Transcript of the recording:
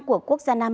của quốc gia nam